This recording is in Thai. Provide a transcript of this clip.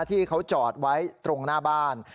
ที่เขาจอดไว้ตรงหน้าบ้าน